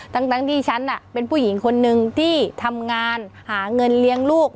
ทั้งที่ฉันเป็นผู้หญิงคนนึงที่ทำงานหาเงินเลี้ยงลูก